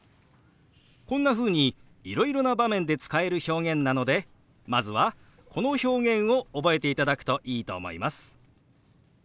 こんなふうにいろいろな場面で使える表現なのでまずはこの表現を覚えていただくといいと思います。